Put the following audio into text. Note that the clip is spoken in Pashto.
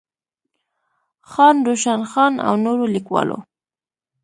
خان روشن خان او نورو ليکوالو